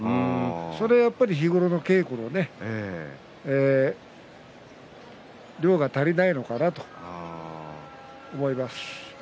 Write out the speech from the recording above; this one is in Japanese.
それは日頃の稽古のね量が足りないのかなと思います。